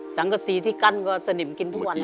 สังกษีที่กั้นก็สนิมกินทุกวัน